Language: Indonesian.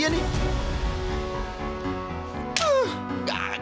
ini udah ke eggs